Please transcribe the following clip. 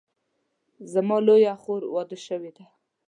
زما لویه خور واده شوې ده